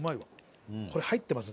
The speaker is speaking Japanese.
これ入ってます。